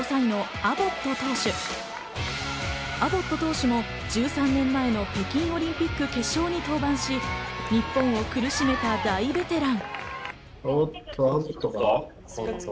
アボット投手も１３年前の北京オリンピック決勝に登板し、日本を苦しめた大ベテラン。